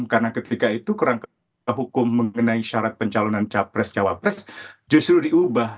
karena ketika itu kerangka hukum mengenai syarat pencalonan capres cawapres justru diubah